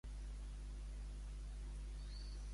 Més pesat que la maça del bombo.